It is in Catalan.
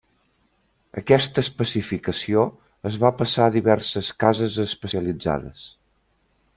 Aquesta especificació es va passar a diverses cases especialitzades.